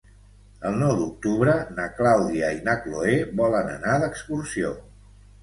El nou d'octubre na Clàudia i na Cloè volen anar d'excursió.